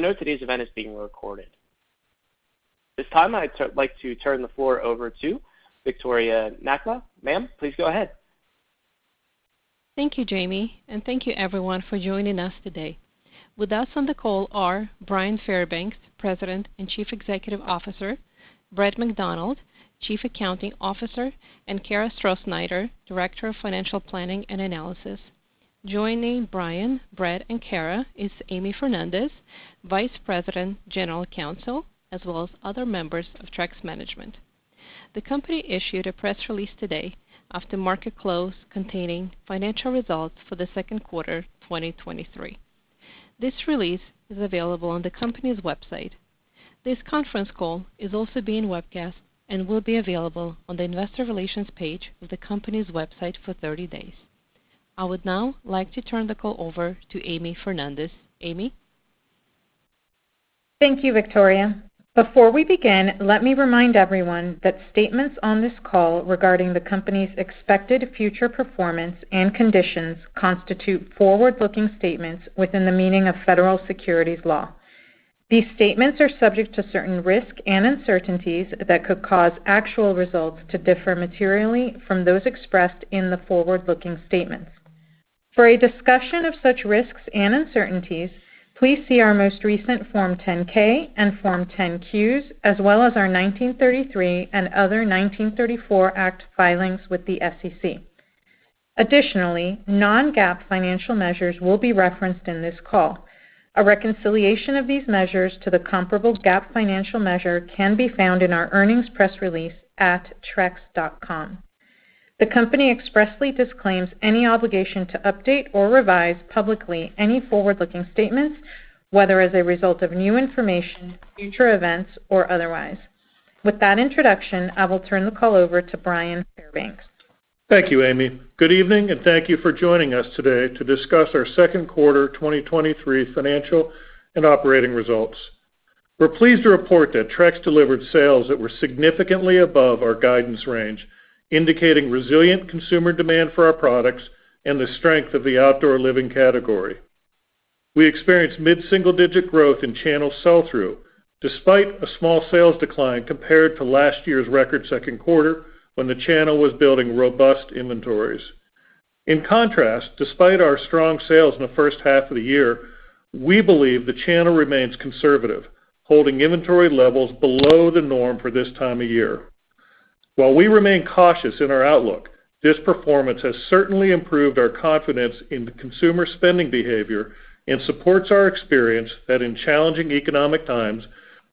Note today's event is being recorded. This time, I'd like to turn the floor over to Viktoriia Nakhla. Ma'am, please go ahead. Thank you, Jamie, and thank you everyone for joining us today. With us on the call are Bryan Fairbanks, President and Chief Executive Officer; Brad McDonald, Chief Accounting Officer; and Kara Strosnider, Director of Financial Planning and Analysis. Joining Bryan, Brad, and Kara is Amy Fernandez, Vice President, General Counsel, as well as other members of Trex Management. The company issued a press release today after market close, containing financial results for the second quarter, 2023. This release is available on the company's website. This conference call is also being webcast and will be available on the investor relations page of the company's website for 30 days. I would now like to turn the call over to Amy Fernandez. Amy? Thank you, Viktoriia. Before we begin, let me remind everyone that statements on this call regarding the company's expected future performance and conditions constitute forward-looking statements within the meaning of federal securities law. These statements are subject to certain risk and uncertainties that could cause actual results to differ materially from those expressed in the forward-looking statements. For a discussion of such risks and uncertainties, please see our most recent Form 10-K and Form 10-Qs, as well as our 1933 and other 1934 Act filings with the SEC. Additionally, non-GAAP financial measures will be referenced in this call. A reconciliation of these measures to the comparable GAAP financial measure can be found in our earnings press release at trex.com. The company expressly disclaims any obligation to update or revise publicly any forward-looking statements, whether as a result of new information, future events, or otherwise. With that introduction, I will turn the call over to Bryan Fairbanks. Thank you, Amy. Good evening, thank you for joining us today to discuss our second quarter 2023 financial and operating results. We're pleased to report that Trex delivered sales that were significantly above our guidance range, indicating resilient consumer demand for our products and the strength of the outdoor living category. We experienced mid-single-digit growth in channel sell-through, despite a small sales decline compared to last year's record second quarter when the channel was building robust inventories. In contrast, despite our strong sales in the first half of the year, we believe the channel remains conservative, holding inventory levels below the norm for this time of year. While we remain cautious in our outlook, this performance has certainly improved our confidence in the consumer spending behavior and supports our experience that in challenging economic times,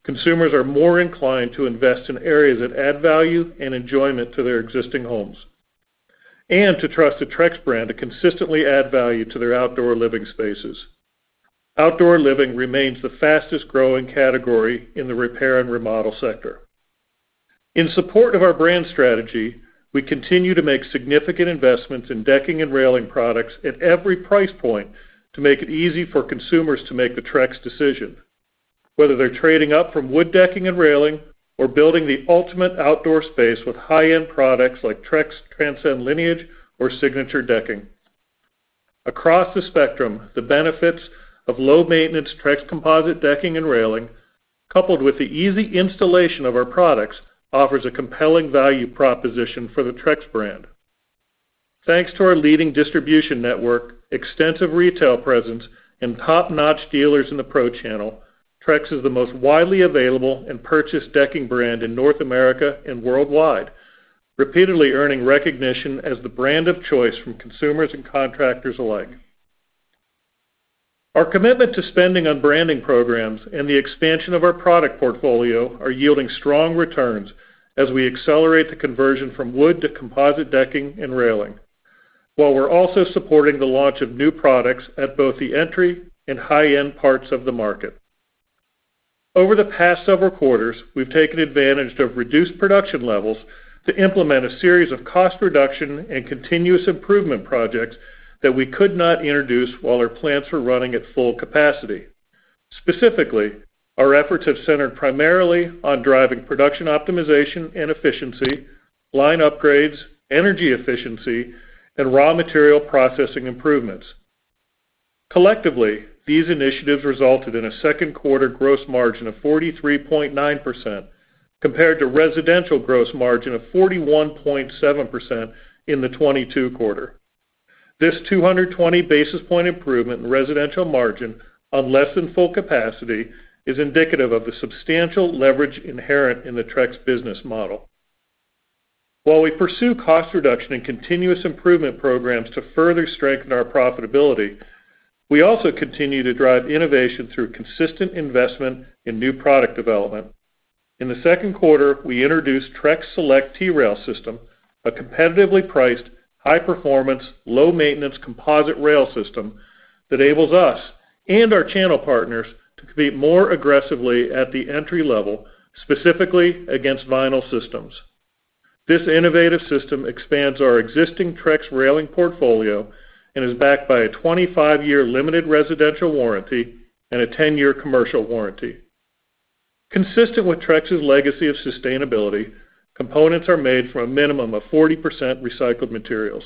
consumers are more inclined to invest in areas that add value and enjoyment to their existing homes, and to trust the Trex brand to consistently add value to their outdoor living spaces. Outdoor living remains the fastest-growing category in the repair and remodel sector. In support of our brand strategy, we continue to make significant investments in decking and railing products at every price point to make it easy for consumers to make the Trex decision, whether they're trading up from wood decking and railing, or building the ultimate outdoor space with high-end products like Trex Transcend Lineage or Signature Decking. Across the spectrum, the benefits of low-maintenance Trex composite decking and railing, coupled with the easy installation of our products, offers a compelling value proposition for the Trex brand. Thanks to our leading distribution network, extensive retail presence, and top-notch dealers in the pro channel, Trex is the most widely available and purchased decking brand in North America and worldwide, repeatedly earning recognition as the brand of choice from consumers and contractors alike. Our commitment to spending on branding programs and the expansion of our product portfolio are yielding strong returns as we accelerate the conversion from wood to composite decking and railing, while we're also supporting the launch of new products at both the entry and high-end parts of the market. Over the past several quarters, we've taken advantage of reduced production levels to implement a series of cost reduction and continuous improvement projects that we could not introduce while our plants were running at full capacity. Specifically, our efforts have centered primarily on driving production optimization and efficiency, line upgrades, energy efficiency, and raw material processing improvements. Collectively, these initiatives resulted in a second quarter gross margin of 43.9%, compared to residential gross margin of 41.7% in the 2022 quarter. This 220 basis point improvement in residential margin on less than full capacity is indicative of the substantial leverage inherent in the Trex business model. While we pursue cost reduction and continuous improvement programs to further strengthen our profitability, we also continue to drive innovation through consistent investment in new product development. In the second quarter, we introduced Trex Select T-Rail System, a competitively priced, high-performance, low-maintenance composite rail system that enables us and our channel partners to compete more aggressively at the entry level, specifically against vinyl systems. This innovative system expands our existing Trex railing portfolio and is backed by a 25-year limited residential warranty and a 10-year commercial warranty. Consistent with Trex's legacy of sustainability, components are made from a minimum of 40% recycled materials.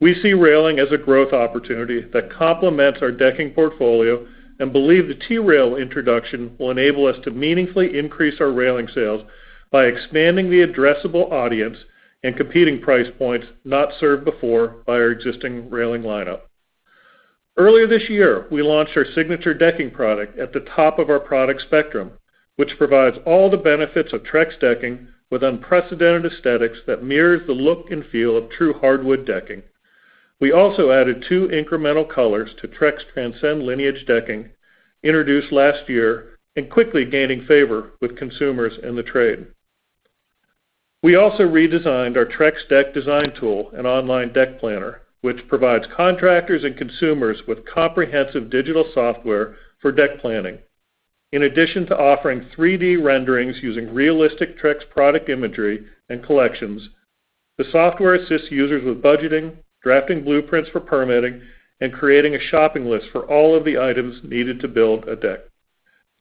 We see railing as a growth opportunity that complements our decking portfolio and believe the T-Rail introduction will enable us to meaningfully increase our railing sales by expanding the addressable audience and competing price points not served before by our existing railing lineup. Earlier this year, we launched our signature decking product at the top of our product spectrum, which provides all the benefits of Trex decking with unprecedented aesthetics that mirrors the look and feel of true hardwood decking. We also added 2 incremental colors to Trex Transcend Lineage Decking, introduced last year, and quickly gaining favor with consumers in the trade. We also redesigned our Trex Deck design tool and online deck planner, which provides contractors and consumers with comprehensive digital software for deck planning. In addition to offering 3D renderings using realistic Trex product imagery and collections, the software assists users with budgeting, drafting blueprints for permitting, and creating a shopping list for all of the items needed to build a deck.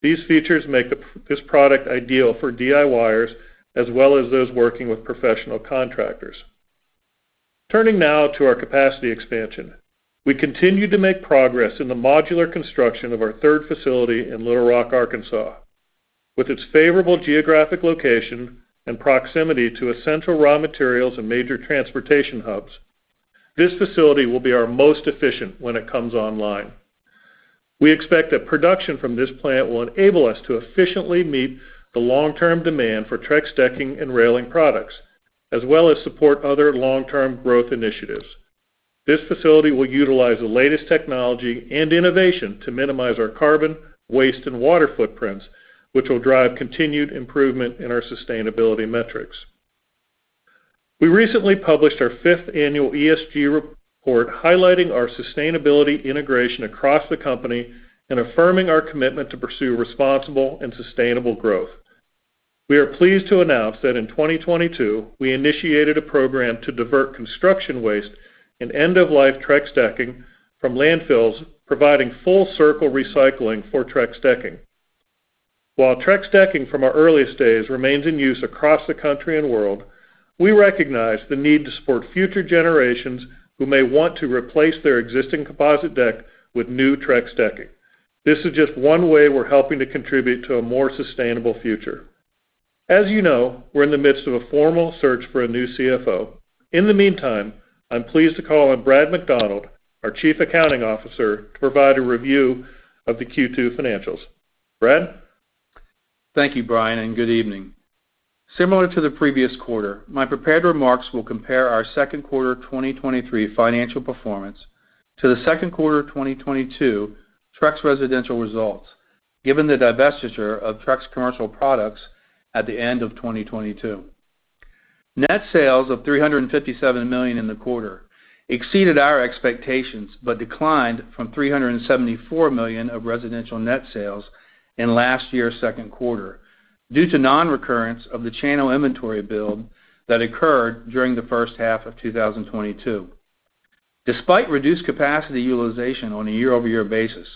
These features make this product ideal for DIYers as well as those working with professional contractors. Turning now to our capacity expansion. We continued to make progress in the modular construction of our third facility in Little Rock, Arkansas. With its favorable geographic location and proximity to essential raw materials and major transportation hubs, this facility will be our most efficient when it comes online. We expect that production from this plant will enable us to efficiently meet the long-term demand for Trex decking and railing products, as well as support other long-term growth initiatives. This facility will utilize the latest technology and innovation to minimize our carbon, waste, and water footprints, which will drive continued improvement in our sustainability metrics. We recently published our fifth annual ESG report, highlighting our sustainability integration across the company and affirming our commitment to pursue responsible and sustainable growth. We are pleased to announce that in 2022, we initiated a program to divert construction waste and end-of-life Trex decking from landfills, providing full circle recycling for Trex decking. While Trex decking from our earliest days remains in use across the country and world, we recognize the need to support future generations who may want to replace their existing composite deck with new Trex decking. This is just one way we're helping to contribute to a more sustainable future. As you know, we're in the midst of a formal search for a new CFO. In the meantime, I'm pleased to call on Brad McDonald, our Chief Accounting Officer, to provide a review of the Q2 financials. Brad? Thank you, Bryan, and good evening. Similar to the previous quarter, my prepared remarks will compare our second quarter 2023 financial performance to the second quarter of 2022 Trex residential results, given the divestiture of Trex Commercial Products at the end of 2022. Net sales of $357 million in the quarter exceeded our expectations, but declined from $374 million of residential net sales in last year's second quarter, due to nonrecurrence of the channel inventory build that occurred during the first half of 2022. Despite reduced capacity utilization on a year-over-year basis,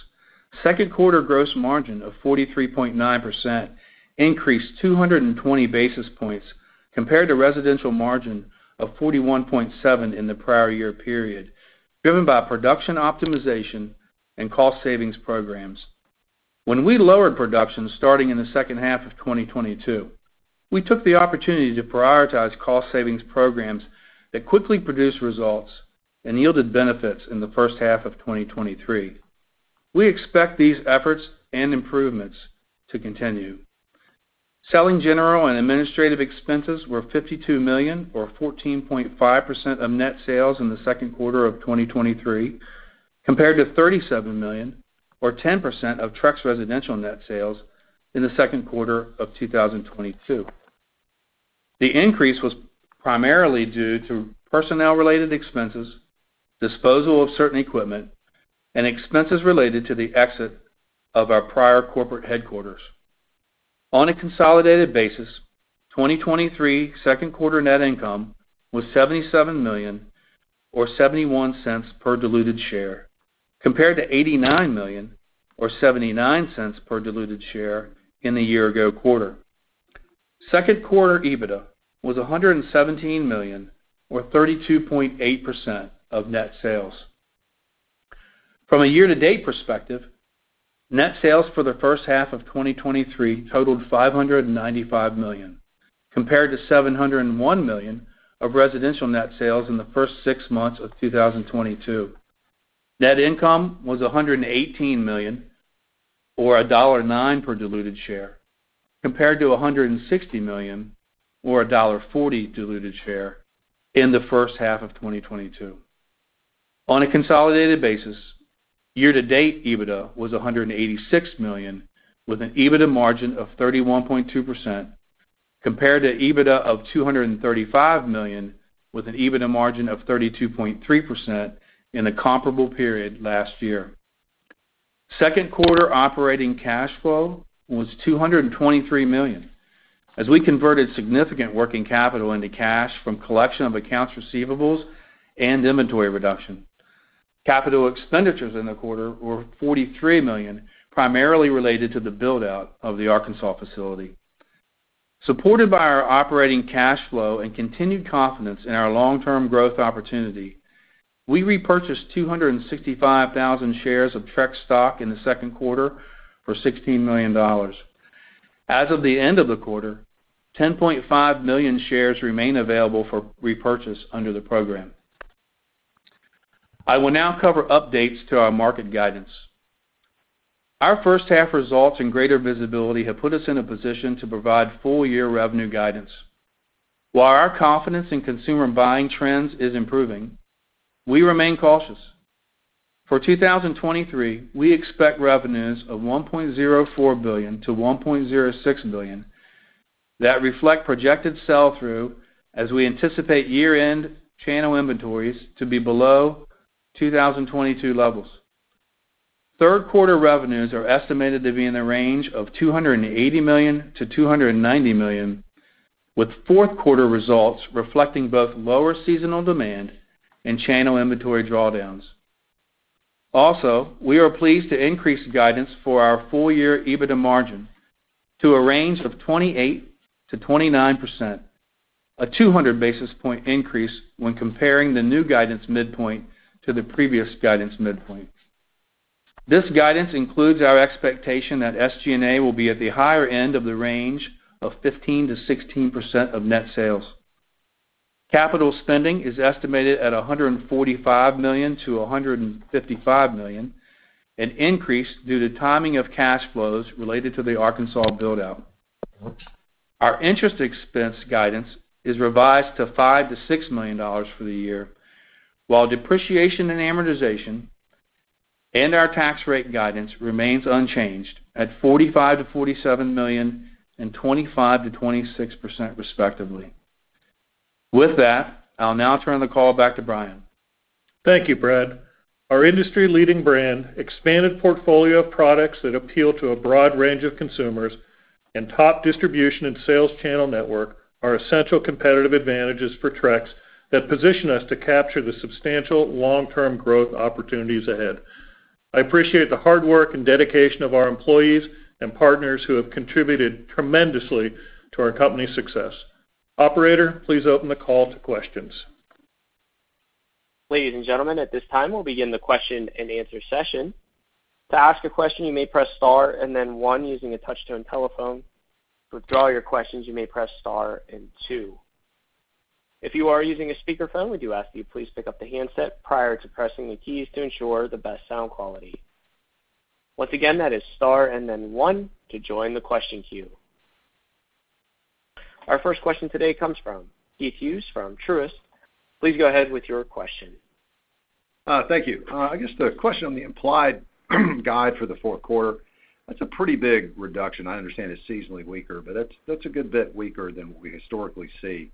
second quarter gross margin of 43.9% increased 220 basis points compared to residential margin of 41.7% in the prior year period, driven by production optimization and cost savings programs. When we lowered production starting in the second half of 2022, we took the opportunity to prioritize cost savings programs that quickly produced results and yielded benefits in the first half of 2023. We expect these efforts and improvements to continue. Selling general and administrative expenses were $52 million, or 14.5% of net sales in the second quarter of 2023, compared to $37 million, or 10% of Trex residential net sales in the second quarter of 2022. The increase was primarily due to personnel related expenses, disposal of certain equipment, and expenses related to the exit of our prior corporate headquarters. On a consolidated basis, 2023 second quarter net income was $77 million or $0.71 per diluted share, compared to $89 million or $0.79 per diluted share in the year ago quarter. Second quarter EBITDA was $117 million or 32.8% of net sales. From a year-to-date perspective, net sales for the first half of 2023 totaled $595 million, compared to $701 million of residential net sales in the first six months of 2022. Net income was $118 million, or $1.09 per diluted share, compared to $160 million or $1.40 diluted share in the first half of 2022. On a consolidated basis, year-to-date EBITDA was $186 million, with an EBITDA margin of 31.2%, compared to EBITDA of $235 million, with an EBITDA margin of 32.3% in the comparable period last year. Second quarter operating cash flow was $223 million. As we converted significant working capital into cash from collection of accounts receivables and inventory reduction. Capital expenditures in the quarter were $43 million, primarily related to the build-out of the Arkansas facility. Supported by our operating cash flow and continued confidence in our long-term growth opportunity, we repurchased 265,000 shares of Trex stock in the second quarter for $16 million. As of the end of the quarter, 10.5 million shares remain available for repurchase under the program. I will now cover updates to our market guidance. Our first half results and greater visibility have put us in a position to provide full-year revenue guidance. While our confidence in consumer buying trends is improving, we remain cautious. For 2023, we expect revenues of $1.04 billion-$1.06 billion. That reflect projected sell-through as we anticipate year end channel inventories to be below 2022 levels. Third quarter revenues are estimated to be in the range of $280 million-$290 million, with fourth quarter results reflecting both lower seasonal demand and channel inventory drawdowns. Also we are pleased to increase guidance for our full year EBITDA margin to a range of 28%-29%, a 200 basis point increase when comparing the new guidance midpoint to the previous guidance midpoint. This guidance includes our expectation that SG&A will be at the higher-end of the range of 15%-16% of net sales. Capital spending is estimated at $145 million-$155 million, an increase due to timing of cash flows related to the Arkansas build-out. Our interest expense guidance is revised to $5 million to $6 million for the year, while depreciation and amortization and our tax rate guidance remains unchanged at $45 million to $47 million and 25% to 26%, respectively. With that, I'll now turn the call back to Bryan. Thank you, Brad. Our industry-leading brand, expanded portfolio of products that appeal to a broad range of consumers, and top distribution and sales channel network are essential competitive advantages for Trex that position us to capture the substantial long-term growth opportunities ahead. I appreciate the hard work and dedication of our employees and partners who have contributed tremendously to our company's success. Operator, please open the call to questions. Our first question today comes from Keith Hughes from Truist. Please go ahead with your question. Thank you. I guess the question on the implied guide for the fourth quarter, that's a pretty big reduction. I understand it's seasonally weaker, but that's, that's a good bit weaker than what we historically see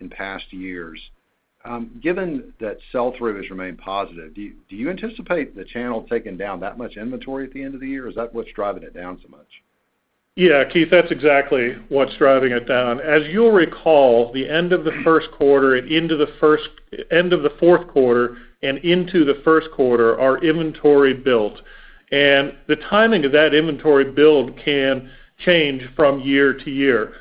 in past years. Given that sell-through has remained positive, do you, do you anticipate the channel taking down that much inventory at the end of the year, or is that what's driving it down so much? Yeah, Keith, that's exactly what's driving it down. As you'll recall, the end of the first quarter and into the first -- end of the fourth quarter and into the first quarter, our inventory built, and the timing of that inventory build can change from year-to-year.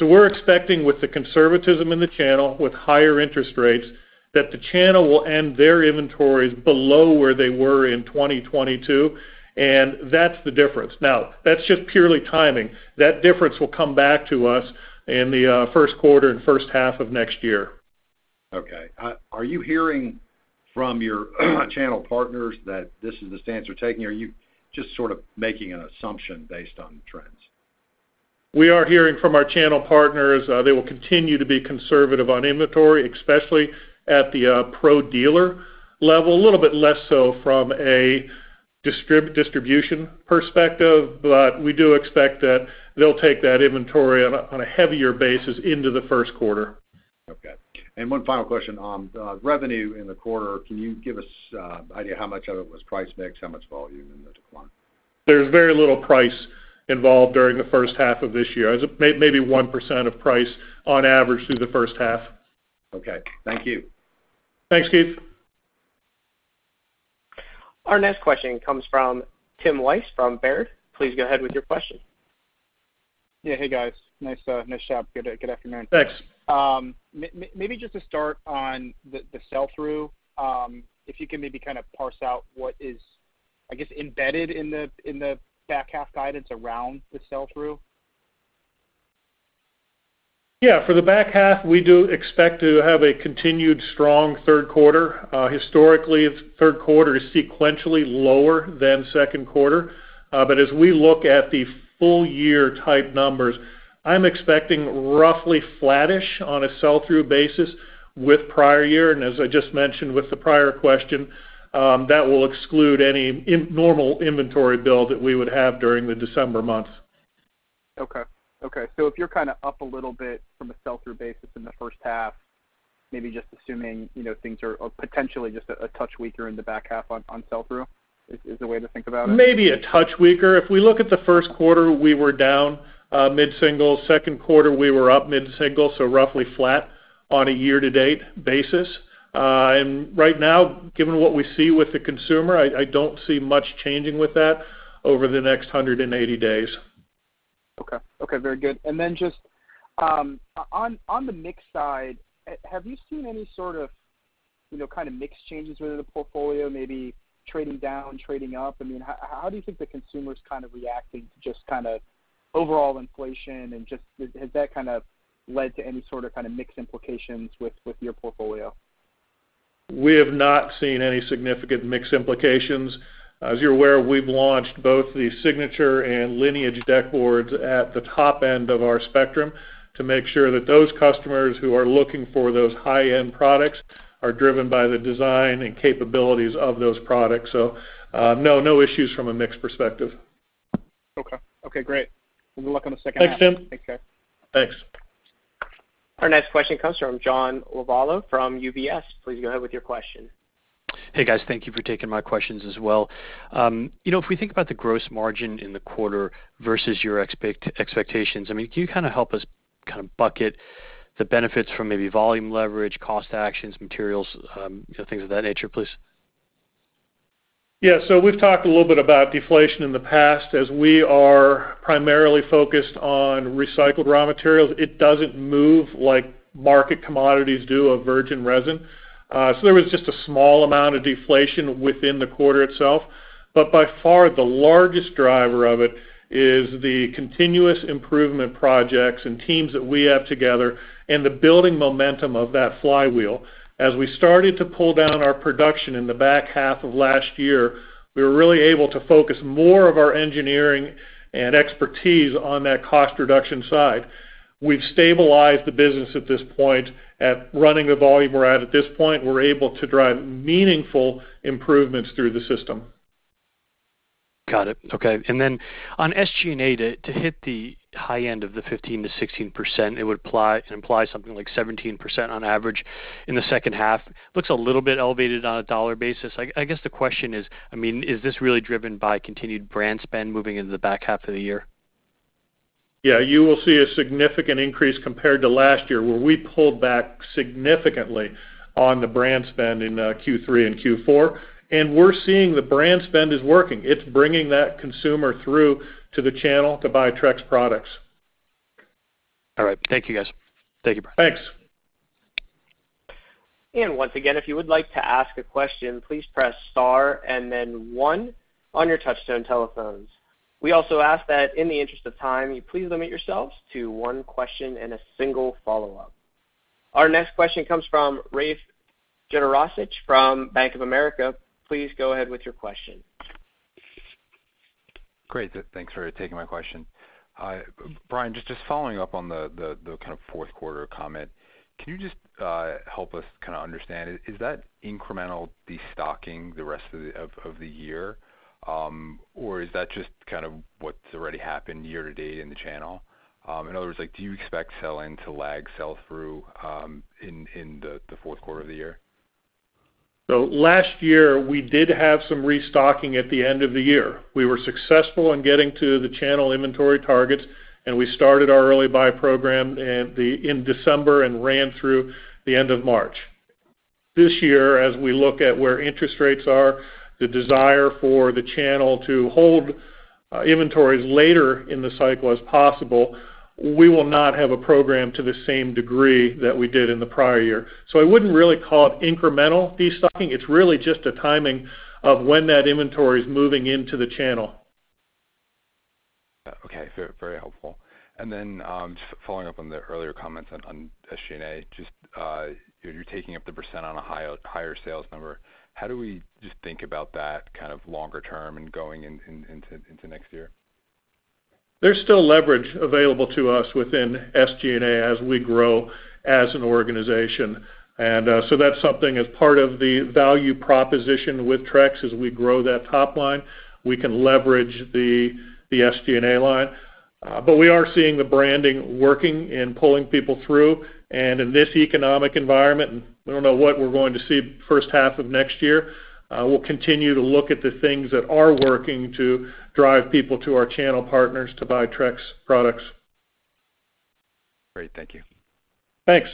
We're expecting, with the conservatism in the channel, with higher interest rates, that the channel will end their inventories below where they were in 2022, and that's the difference. Now, that's just purely timing. That difference will come back to us in the first quarter and first half of next year. Okay. Are you hearing from your channel partners that this is the stance you're taking, or are you just sort of making an assumption based on trends? We are hearing from our channel partners, they will continue to be conservative on inventory, especially at the pro dealer level. A little bit less so from a distribution perspective, we do expect that they'll take that inventory on a heavier basis into the first quarter. Okay. 1 final question. On revenue in the quarter, can you give us an idea how much of it was price mix, how much volume in the decline? There's very little price involved during the first half of this year, as maybe, maybe 1% of price on average through the first half. Okay. Thank you. Thanks, Keith. Our next question comes from Tim Wojs, from Baird. Please go ahead with your question. Yeah. Hey, guys. Nice, nice job. Good, good afternoon. Thanks. Maybe just to start on the, the sell-through, if you can maybe kind of parse out what is, I guess, embedded in the, in the back half guidance around the sell-through? Yeah, for the back half, we do expect to have a continued strong third quarter. Historically, third quarter is sequentially lower than second quarter. But as we look at the full year-type numbers, I'm expecting roughly flattish on a sell-through basis with prior year. And as I just mentioned with the prior question, that will exclude any normal inventory build that we would have during the December months. Okay. Okay, if you're kind of up a little bit from a sell-through basis in the first half, maybe just assuming, you know, things are potentially just a, a touch weaker in the back half on, on sell-through, is, is the way to think about it? Maybe a touch weaker. If we look at the first quarter, we were down mid-single. Second quarter, we were up mid-single, so roughly flat on a year-to-date basis. Right now, given what we see with the consumer, I, I don't see much changing with that over the next 180 days. Okay, okay, very good. Then just, on, on the mix side, have you seen any sort of, you know, kind of mix changes within the portfolio, maybe trading down, trading up? I mean, how, how do you think the consumer's kind of reacting to just kind of overall inflation and just has, has that kind of led to any sort of, kind of, mix implications with, with your portfolio? We have not seen any significant mix implications. As you're aware, we've launched both the Signature and Lineage deck boards at the top end of our spectrum to make sure that those customers who are looking for those high-end products are driven by the design and capabilities of those products. No, no issues from a mix perspective. Okay. Okay, great. Well, good luck on the second half. Thanks, Tim. Take care. Thanks. Our next question comes from John Lovallo from UBS. Please go ahead with your question. Hey, guys. Thank you for taking my questions as well. You know, if we think about the gross margin in the quarter versus your expectations, I mean, can you kind of help us kind of bucket the benefits from maybe volume leverage, cost actions, materials, you know, things of that nature, please? Yeah. So we've talked a little bit about deflation in the past. As we are primarily focused on recycled raw materials, it doesn't move like market commodities do of virgin resin. There was just a small amount of deflation within the quarter itself. By far, the largest driver of it is the continuous improvement projects and teams that we have together and the building momentum of that flywheel. As we started to pull down our production in the back half of last year, we were really able to focus more of our engineering and expertise on that cost reduction side. We've stabilized the business at this point -- at running the volume we're at at this point, we're able to drive meaningful improvements through the system. Got it. Okay. Then on SG&A, to, to hit the high end of the 15%-16%, it would imply something like 17% on average in the second half. Looks a little bit elevated on a dollar basis. I guess, the question is, I mean, is this really driven by continued brand spend moving into the back half of the year? Yeah, you will see a significant increase compared to last year, where we pulled back significantly on the brand spend in Q3 and Q4 and we're seeing the brand spend is working. It's bringing that consumer through to the channel to buy Trex products. All right. Thank you, guys. Thank you, Bryan. Thanks. Our next question comes from Rafe Jadrosich from Bank of America. Please go ahead with your question. Great. Thanks for taking my question. Bryan, just, just following up on the, the, the kind of 4th quarter comment. Can you just help us kind of understand, is that incremental destocking the rest of the year, or is that just kind of what's already happened year to date in the channel? In other words, like, do you expect sell-in to lag sell-through in, in the, the 4th quarter of the year? Last year, we did have some restocking at the end of the year. We were successful in getting to the channel inventory targets, and we started our early buy program in December and ran through the end of March. This year, as we look at where interest rates are, the desire for the channel to hold inventories later in the cycle as possible, we will not have a program to the same degree that we did in the prior year. So I wouldn't really call it incremental destocking. It's really just a timing of when that inventory is moving into the channel. Okay. Very, very helpful. And then, just following up on the earlier comments on, on SG&A, just, you're, you're taking up the percent on a high, higher sales number. How do we just think about that kind of longer term and going into next year? There's still leverage available to us within SG&A as we grow as an organization. So that's something as part of the value proposition with Trex. As we grow that top line, we can leverage the, the SG&A line. We are seeing the branding working and pulling people through. In this economic environment, and we don't know what we're going to see first half of next year, we'll continue to look at the things that are working to drive people to our channel partners to buy Trex products. Great. Thank you. Thanks.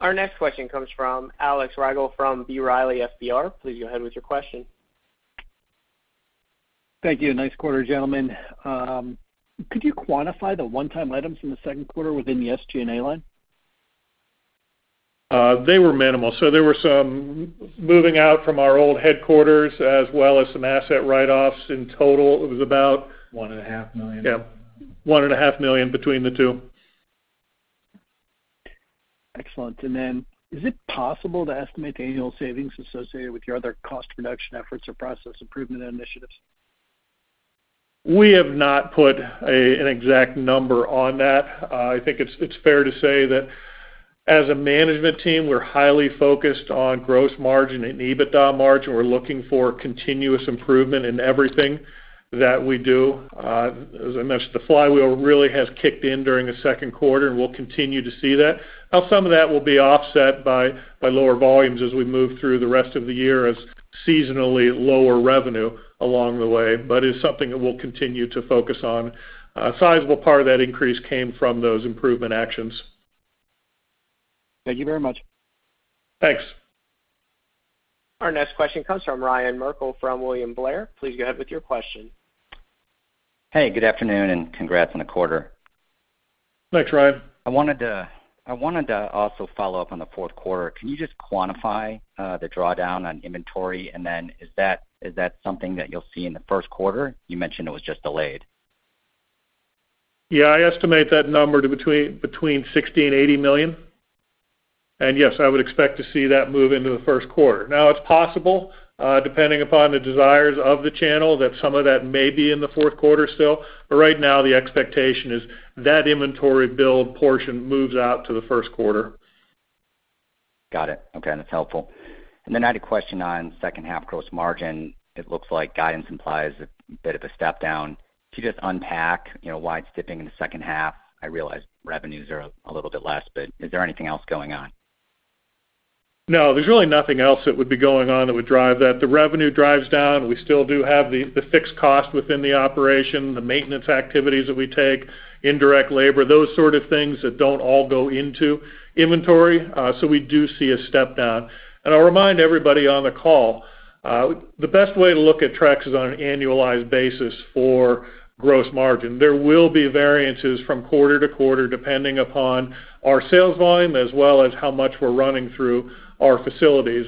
Our next question comes from Alexander Rygiel from B. Riley Securities. Please go ahead with your question. Thank you. Nice quarter, gentlemen. Could you quantify the one-time items in the second quarter within the SG&A line? They were minimal. There were some moving out from our old headquarters, as well as some asset write-offs. In total, it was about. $1.5 million Yep, $1.5 million between the 2. Excellent. Is it possible to estimate the annual savings associated with your other cost reduction efforts or process improvement initiatives? We have not put an exact number on that. I think it's fair to say that as a management team, we're highly focused on gross margin and EBITDA margin. We're looking for continuous improvement in everything that we do. As I mentioned, the flywheel really has kicked in during the second quarter, and we'll continue to see that. Now, some of that will be offset by lower volumes as we move through the rest of the year as seasonally lower revenue along the way, but it's something that we'll continue to focus on. A sizable part of that increase came from those improvement actions. Thank you very much. Thanks. Our next question comes from Ryan Merkel from William Blair. Please go ahead with your question. Hey, good afternoon. Congrats on the quarter. Thanks, Ryan. I wanted to, I wanted to also follow up on the fourth quarter. Can you just quantify the drawdown on inventory? And is that, is that something that you'll see in the first quarter? You mentioned it was just delayed. Yeah, I estimate that number to between $60 million and $80 million. And yes, I would expect to see that move into the first quarter. Now, it's possible, depending upon the desires of the channel, that some of that may be in the fourth quarter still, but right now, the expectation is that inventory build portion moves out to the first quarter. Got it. Okay, that's helpful. Then I had a question on second half gross margin. It looks like guidance implies a bit of a step down. Can you just unpack, you know, why it's dipping in the second half? I realize revenues are a little bit less. Is there anything else going on? No, there's really nothing else that would be going on that would drive that. The revenue drives down. We still do have the, the fixed cost within the operation, the maintenance activities that we take, indirect labor, those sort of things that don't all go into inventory, so we do see a step down. I'll remind everybody on the call, the best way to look at Trex is on an annualized basis for gross margin. There will be variances from quarter-to-quarter, depending upon our sales volume, as well as how much we're running through our facilities.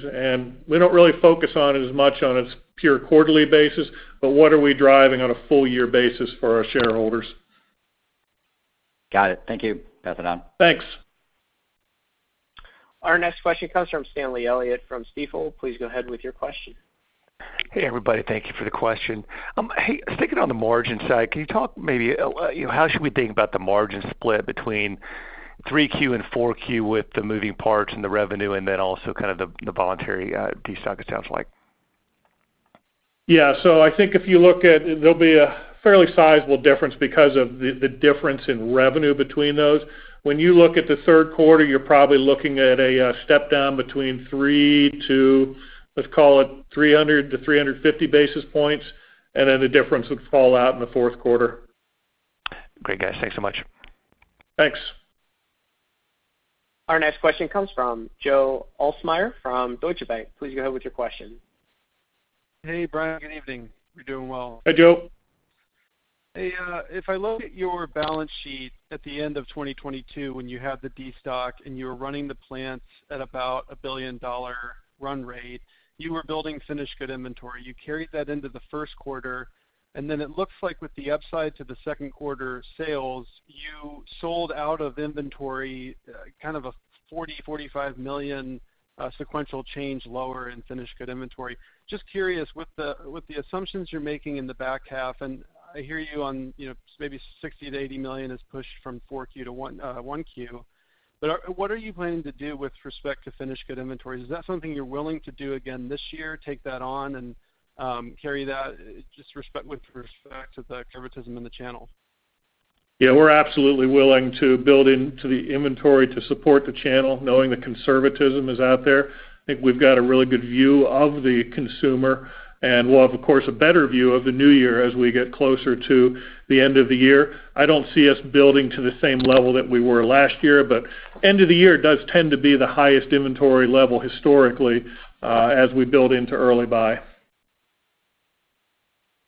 We don't really focus on it as much on a pure quarterly basis, but what are we driving on a full year basis for our shareholders? Got it. Thank you. That's enough. Thanks. Our next question comes from Stanley Elliott from Stifel. Please go ahead with your question. Hey, everybody. Thank you for the question. Hey, sticking on the margin side, can you talk maybe, you know, how should we think about the margin split between 3Q and 4Q with the moving parts and the revenue, and then also kind of the, the voluntary, destock it sounds like? Yeah. I think if you look at, there'll be a fairly sizable difference because of the, the difference in revenue between those. When you look at the third quarter, you're probably looking at a step down between 300 to 350 basis points, and then the difference would fall out in the fourth quarter. Great, guys. Thanks so much. Thanks. Our next question comes from Joe Ahlersmeyer from Deutsche Bank. Please go ahead with your question. Hey, Bryan, good evening. We're doing well. Hey, Joe. Hey, if I look at your balance sheet at the end of 2022, when you had the destock and you were running the plants at about a $1 billion run rate, you were building finished good inventory. You carried that into the first quarter, and then it looks like with the upside to the second quarter sales, you sold out of inventory, kind of a $40 million-$45 million sequential change lower in finished good inventory. Just curious, with the, with the assumptions you're making in the back half, and I hear you on, you know, maybe $60 million-$80 million is pushed from 4Q to 1Q. What are you planning to do with respect to finished good inventory? Is that something you're willing to do again this year, take that on and, carry that, just respect-- with respect to the conservatism in the channel? Yeah, we're absolutely willing to build into the inventory to support the channel, knowing the conservatism is out there. I think we've got a really good view of the consumer, and we'll have, of course, a better view of the new year as we get closer to the end of the year. I don't see us building to the same level that we were last year, but end of the year does tend to be the highest inventory level historically, as we build into early buy.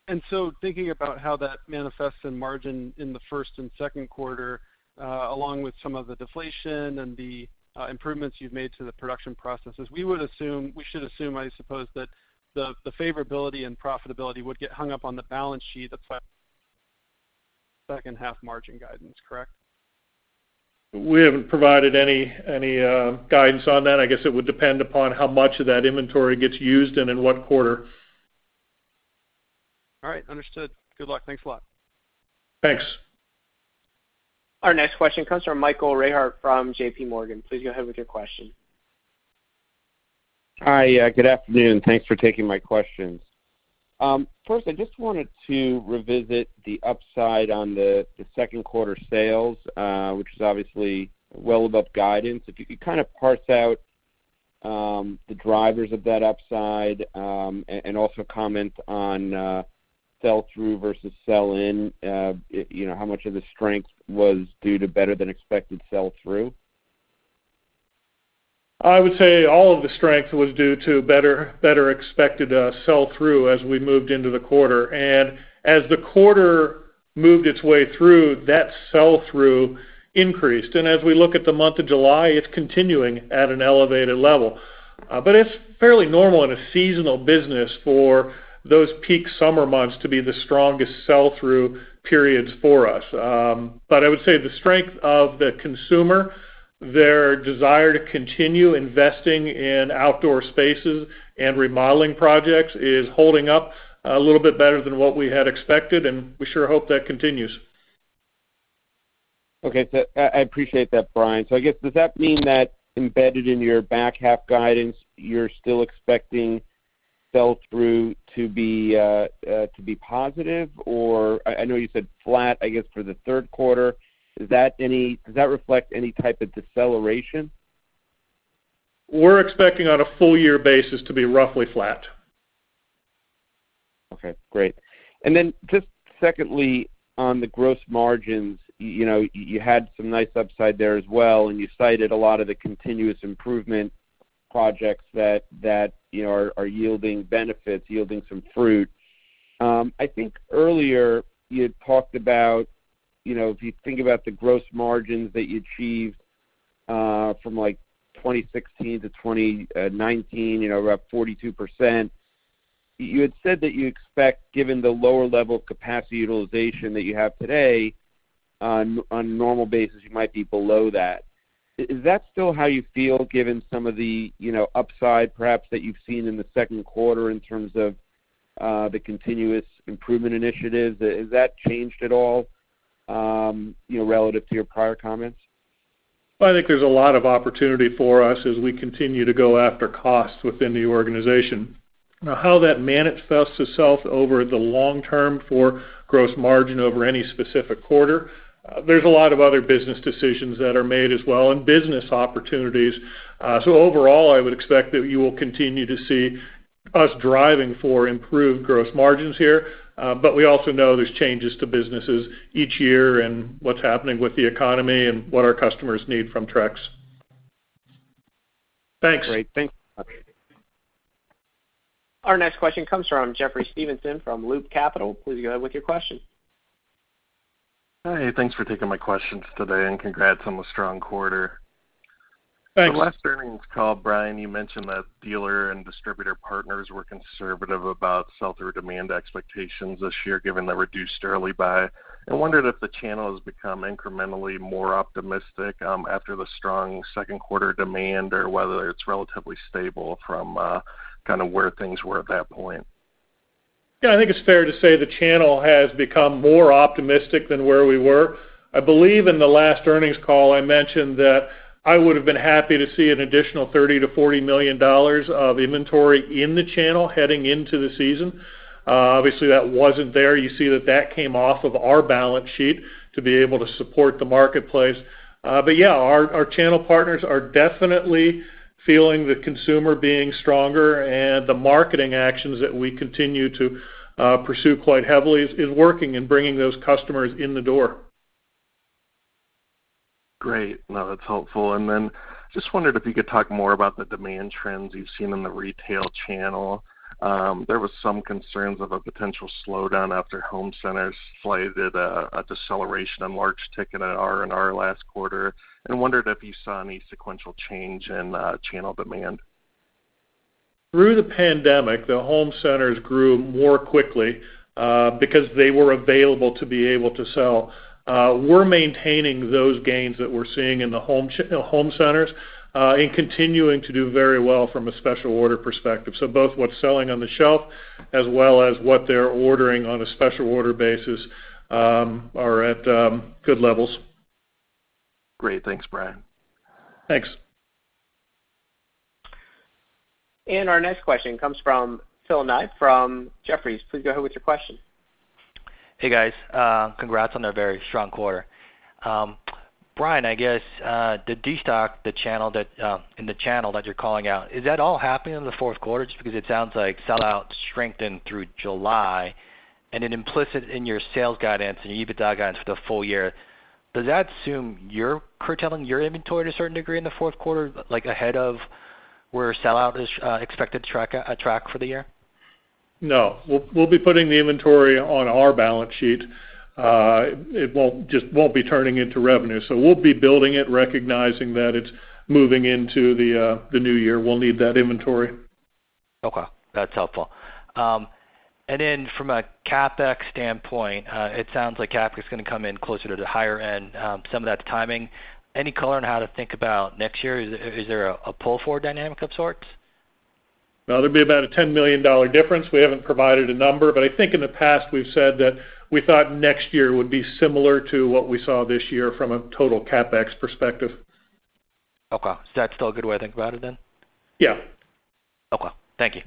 And so thinking about how that manifests in margin in the first and second quarter, along with some of the deflation and the improvements you've made to the production processes, we should assume, I suppose, that the favorability and profitability would get hung up on the balance sheet, the second half margin guidance, correct? We haven't provided any, any, guidance on that. I guess it would depend upon how much of that inventory gets used and in what quarter. All right. Understood. Good luck. Thanks a lot. Thanks. Our next question comes from Michael Rehaut from JPMorgan. Please go ahead with your question. Hi, good afternoon. Thanks for taking my questions. First, I just wanted to revisit the upside on the second quarter sales, which is obviously well above guidance. If you could kind of parse out, the drivers of that upside, and also comment on, sell-through versus sell-in, you know, how much of the strength was due to better than expected sell-through? I would say all of the strength was due to better, better expected sell-through as we moved into the quarter. As the quarter moved its way through, that sell-through increased. As we look at the month of July, it's continuing at an elevated level. It's fairly normal in a seasonal business for those peak summer months to be the strongest sell-through periods for us. But I would say the strength of the consumer, their desire to continue investing in outdoor spaces and remodeling projects, is holding up a little bit better than what we had expected, and we sure hope that continues. Okay. I, I appreciate that, Bryan. I guess, does that mean that embedded in your back half guidance, you're still expecting sell-through to be positive? Or, I know you said flat, I guess, for the third quarter. Does that reflect any type of deceleration? We're expecting on a full year basis to be roughly flat. Okay, great. And then just secondly, on the gross margins, you know, you had some nice upside there as well, and you cited a lot of the continuous improvement projects that, you know, are yielding benefits, yielding some fruit. I think earlier you had talked about, you know, if you think about the gross margins that you achieved, from, like, 2016 to 2019, you know, about 42%, you had said that you expect, given the lower level of capacity utilization that you have today, on, on a normal basis, you might be below that. Is that still how you feel, given some of the, you know, upside, perhaps, that you've seen in the second quarter in terms of the continuous improvement initiative? Has that changed at all, you know, relative to your prior comments? Well, I think there's a lot of opportunity for us as we continue to go after costs within the organization. Now, how that manifests itself over the long term for gross margin over any specific quarter, there's a lot of other business decisions that are made as well, and business opportunities. Also overall, I would expect that you will continue to see us driving for improved gross margins here. We also know there's changes to businesses each year and what's happening with the economy and what our customers need from Trex. Thanks. Great. Thanks. Our next question comes from Jeffrey Stevenson from Loop Capital. Please go ahead with your question. Hi, thanks for taking my questions today, and congrats on the strong quarter. Thanks. The last earnings call, Bryan, you mentioned that dealer and distributor partners were conservative about sell-through demand expectations this year, given the reduced early buy. I wondered if the channel has become incrementally more optimistic after the strong second quarter demand, or whether it's relatively stable from kind of where things were at that point? Yeah, I think it's fair to say the channel has become more optimistic than where we were. I believe in the last earnings call, I mentioned that I would've been happy to see an additional $30 million-$40 million of inventory in the channel heading into the season. Obviously, that wasn't there. You see that that came off of our balance sheet to be able to support the marketplace. But yeah, our, our channel partners are definitely feeling the consumer being stronger, and the marketing actions that we continue to pursue quite heavily is, is working in bringing those customers in the door. Great. No, that's helpful. And then just wondered if you could talk more about the demand trends you've seen in the retail channel. There was some concerns of a potential slowdown after home centers slated a, a deceleration in large ticket at R&R last quarter, and wondered if you saw any sequential change in channel demand. Through the pandemic, the home centers grew more quickly, because they were available to be able to sell. We're maintaining those gains that we're seeing in the home home centers, and continuing to do very well from a special order perspective. Both what's selling on the shelf, as well as what they're ordering on a special order basis, are at good levels. Great. Thanks, Bryan. Thanks. Our next question comes from Philip Ng from Jefferies. Please go ahead with your question. Hey, guys, congrats on a very strong quarter. Bryan, I guess, the destock, the channel that, in the channel that you're calling out, is that all happening in the fourth quarter? Just because it sounds like sellout strengthened through July, and then implicit in your sales guidance and EBITDA guidance for the full year, does that assume you're curtailing your inventory to a certain degree in the fourth quarter, like, ahead of where sellout is expected to track, track for the year? No. We'll, we'll be putting the inventory on our balance sheet. Just won't be turning into revenue. We'll be building it, recognizing that it's moving into the new year. We'll need that inventory. Okay, that's helpful. And then from a CapEx standpoint, it sounds like CapEx is gonna come in closer to the higher end, some of that timing. Any color on how to think about next year? Is there a pull-forward dynamic of sorts? No, there'd be about a $10 million difference. We haven't provided a number, but I think in the past we've said that we thought next year would be similar to what we saw this year from a total CapEx perspective. Okay. Is that still a good way to think about it, then? Yeah. Okay. Thank you.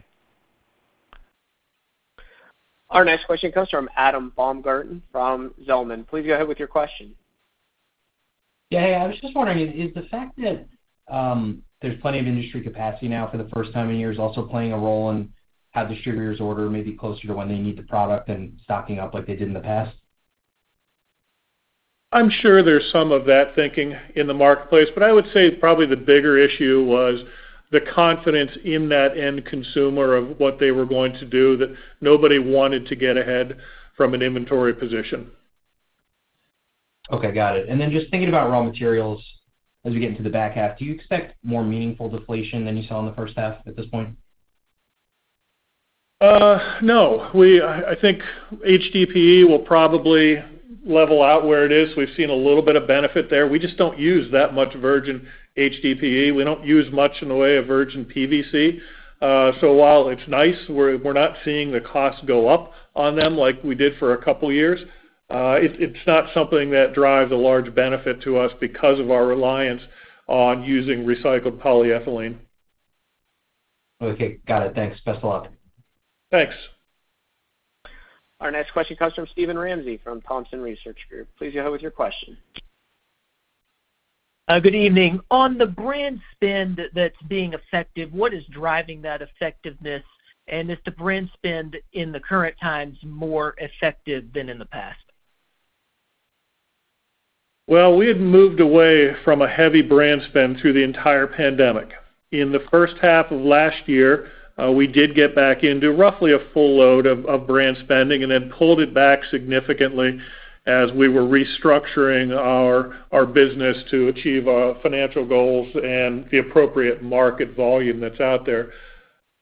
Our next question comes from Adam Baumgarten from Zelman. Please go ahead with your question. Yeah, hey, I was just wondering, is the fact that there's plenty of industry capacity now for the first time in years, also playing a role in how distributors order maybe closer to when they need the product than stocking up like they did in the past? I'm sure there's some of that thinking in the marketplace, I would say probably the bigger issue was the confidence in that end consumer of what they were going to do, that nobody wanted to get ahead from an inventory position. Okay, got it. And then just thinking about raw materials as we get into the back half, do you expect more meaningful deflation than you saw in the first half at this point? No. I think HDPE will probably level out where it is. We've seen a little bit of benefit there. We just don't use that much virgin HDPE. We don't use much in the way of virgin PVC. While it's nice, we're not seeing the costs go up on them like we did for a couple of years. It's not something that drives a large benefit to us because of our reliance on using recycled polyethylene. Okay, got it. Thanks. Best of luck. Thanks. Our next question comes from Steven Ramsey, from Thompson Research Group. Please go ahead with your question.... Good evening. On the brand spend that's being effective, what is driving that effectiveness? Is the brand spend in the current times more effective than in the past? Well, we had moved away from a heavy brand spend through the entire pandemic. In the first half of last year, we did get back into roughly a full load of, of brand spending, and then pulled it back significantly as we were restructuring our, our business to achieve financial goals and the appropriate market volume that's out there.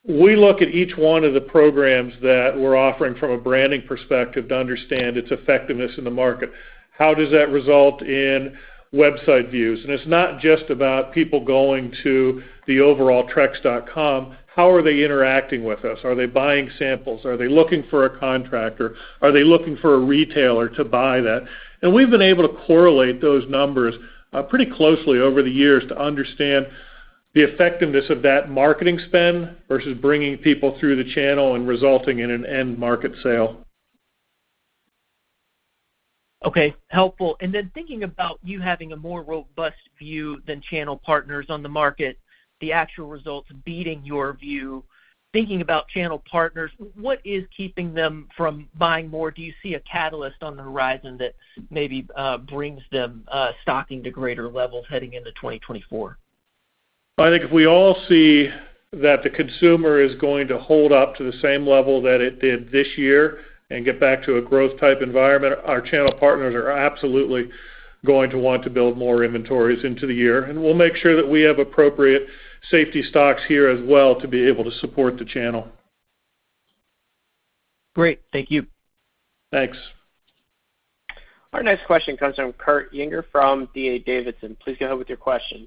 We look at each one of the programs that we're offering from a branding perspective to understand its effectiveness in the market. How does that result in website views? It's not just about people going to the overall trex.com, how are they interacting with us? Are they buying samples? Are they looking for a contractor? Are they looking for a retailer to buy that? We've been able to correlate those numbers, pretty closely over the years to understand the effectiveness of that marketing spend versus bringing people through the channel and resulting in an end market sale. Okay, helpful. Then thinking about you having a more robust view than channel partners on the market, the actual results beating your view, thinking about channel partners, what is keeping them from buying more? Do you see a catalyst on the horizon that maybe brings them stocking to greater levels heading into 2024? I think if we all see that the consumer is going to hold up to the same level that it did this year and get back to a growth-type environment, our channel partners are absolutely going to want to build more inventories into the year. We'll make sure that we have appropriate safety stocks here as well to be able to support the channel. Great. Thank you. Thanks. Our next question comes from Kurt Yinger from D.A. Davidson. Please go ahead with your question.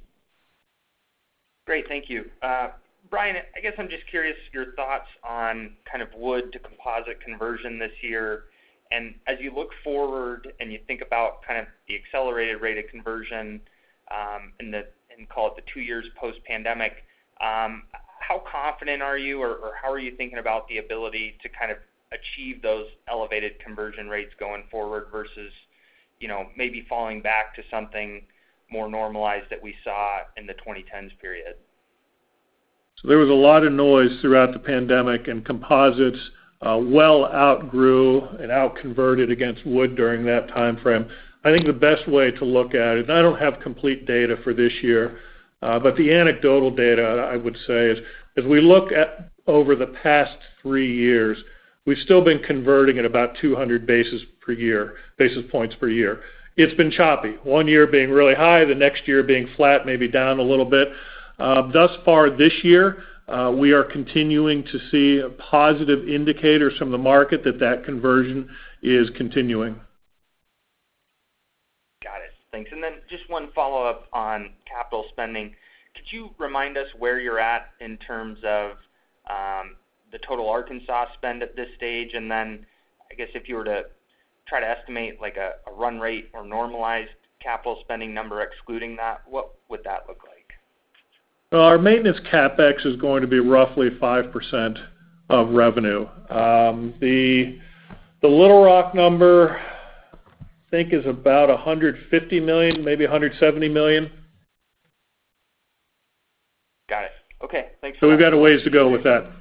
Great. Thank you. Bryan, I guess I'm just curious your thoughts on kind of wood to composite conversion this year. As you look forward and you think about kind of the accelerated rate of conversion, and call it the 2 years post-pandemic, how confident are you, or, or how are you thinking about the ability to kind of achieve those elevated conversion rates going forward versus, you know, maybe falling back to something more normalized that we saw in the 2010s period? There was a lot of noise throughout the pandemic, and composites, well outgrew and out-converted against wood during that timeframe. I think the best way to look at it, and I don't have complete data for this year, but the anecdotal data, I would say, is, as we look at over the past 3 years, we've still been converting at about 200 basis points per year. It's been choppy. One year being really high, the next year being flat, maybe down a little bit. Thus far this year, we are continuing to see positive indicators from the market that that conversion is continuing. Got it. Thanks. Then just one follow-up on capital spending. Could you remind us where you're at in terms of the total Arkansas spend at this stage? Then, I guess, if you were to try to estimate, like, a, a run rate or normalized capital spending number excluding that, what would that look like? Well, our maintenance CapEx is going to be roughly 5% of revenue. The, the Little Rock number, I think, is about $150 million, maybe $170 million. Got it. Okay, thanks so much. We've got a ways to go with that.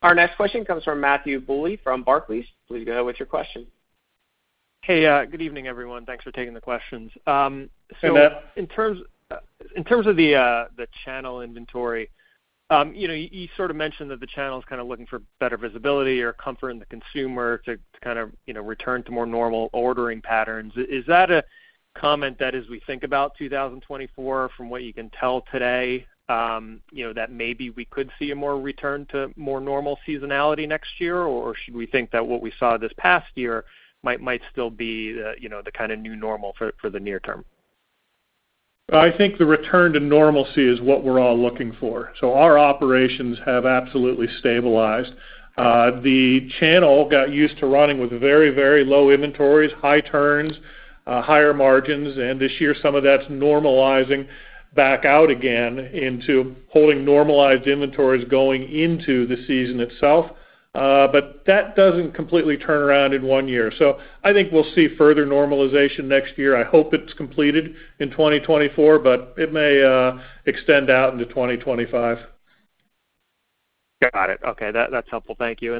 Our next question comes from Matthew Bouley, from Barclays. Please go ahead with your question. Hey, good evening, everyone. Thanks for taking the questions. Hey, Matt. In terms, in terms of the channel inventory, you know, you, you sort of mentioned that the channel is kind of looking for better visibility or comfort in the consumer to, to kind of, you know, return to more normal ordering patterns. Is that a comment that as we think about 2024, from what you can tell today, you know, that maybe we could see a more return to more normal seasonality next year? Or should we think that what we saw this past year might, might still be the, you know, the kind of new normal for, for the near term? I think the return to normalcy is what we're all looking for. So our operations have absolutely stabilized. The channel got used to running with very, very low inventories, high turns, higher margins, and this year, some of that's normalizing back out again into holding normalized inventories going into the season itself. That doesn't completely turn around in 1 year. I think we'll see further normalization next year. I hope it's completed in 2024, but it may extend out into 2025. Got it. Okay, that, that's helpful. Thank you.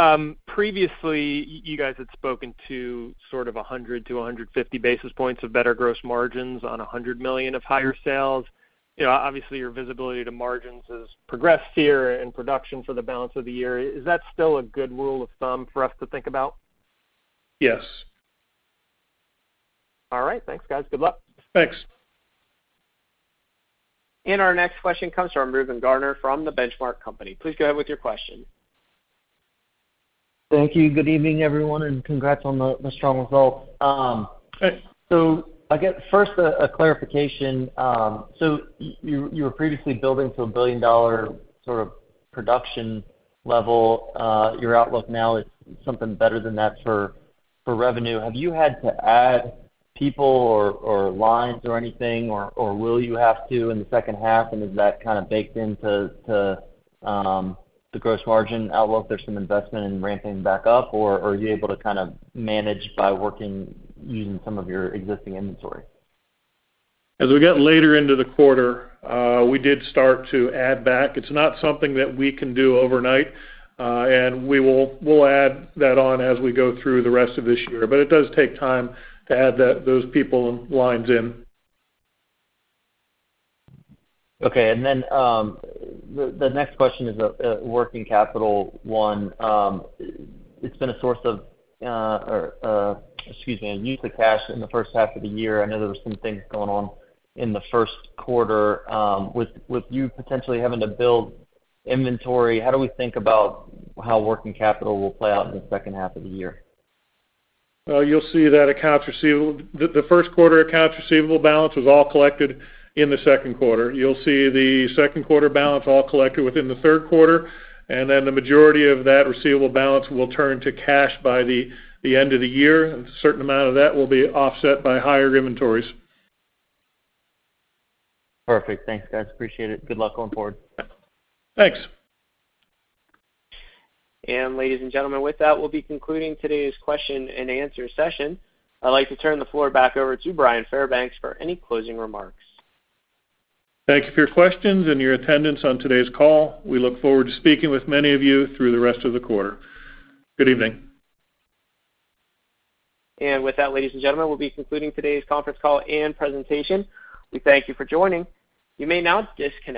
Then, previously, you guys had spoken to sort of 100 to 150 basis points of better gross margins on $100 million of higher sales. You know, obviously, your visibility to margins has progressed here and production for the balance of the year. Is that still a good rule of thumb for us to think about? Yes. All right. Thanks, guys. Good luck. Thanks. Our next question comes from Reuben Garner from The Benchmark Company. Please go ahead with your question. Thank you. Good evening, everyone, and congrats on the strong results. Thanks. I guess, first, a, a clarification; You, you were previously building to a $1 billion-dollar sort of production level. your outlook now is something better than that for, for revenue. Have you had to add people or, or lines or anything, or, or will you have to in the second half, and is that kind of baked into to the gross margin outlook? There's some investment in ramping back up, or, are you able to kind of manage by working, using some of your existing inventory? As we got later into the quarter, we did start to add back. It's not something that we can do overnight; and we'll add that on as we go through the rest of this year. It does take time to add those people and lines in. Okay. Then, the next question is a working capital one. It's been a source of, excuse me, on use of cash in the first half of the year. I know there were some things going on in the first quarter. With, with you potentially having to build inventory, how do we think about how working capital will play out in the second half of the year? Well, you'll see that accounts receivable, the first quarter accounts receivable balance was all collected in the second quarter. You'll see the second quarter balance all collected within the third quarter and the majority of that receivable balance will turn to cash by the end of the year. A certain amount of that will be offset by higher inventories. Perfect. Thanks, guys, appreciate it. Good luck going forward. Thanks. Ladies and gentlemen, with that, we'll be concluding today's question and answer session. I'd like to turn the floor back over to Bryan Fairbanks for any closing remarks. Thank you for your questions and your attendance on today's call. We look forward to speaking with many of you through the rest of the quarter. Good evening. With that, ladies and gentlemen, we'll be concluding today's conference call and presentation. We thank you for joining. You may now disconnect.